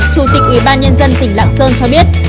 chủ tịch ủy ban nhân dân tỉnh lạng sơn cho biết